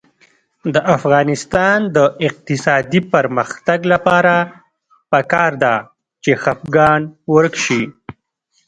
د افغانستان د اقتصادي پرمختګ لپاره پکار ده چې خپګان ورک شي.